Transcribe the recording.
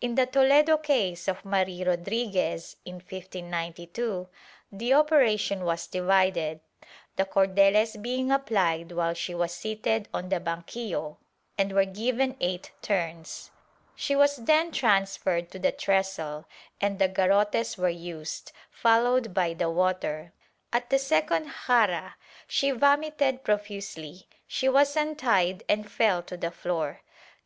In the Toledo case of Marl Rodriguez, in 1592, the operation was divided, the cordeles being appUed while she was seated on the banquillo, and were given eight turns; she was then transferred to the trestle, and the garrotes were used, followed by the water; at the second jarra she vomited profusely; she was untied and fell to the floor.